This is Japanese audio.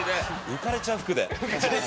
浮かれちゃう服で。